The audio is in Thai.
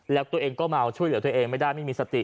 แล้วตัวเองก็เมาช่วยเหลือตัวเองไม่ได้ไม่มีสติ